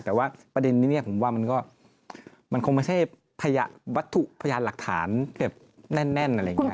แต่ว่าประเด็นนี้ผมว่ามันก็คงไม่ใช่พยาบัตถุพยานหลักฐานเกือบแน่นอะไรอย่างนี้